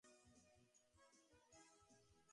কিন্তু এ-সকল জাত বর্বর, অতি বর্বর অবস্থায় রইল।